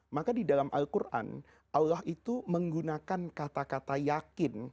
maka di dalam al quran allah itu menggunakan kata kata yakin